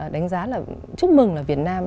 đánh giá là chúc mừng là việt nam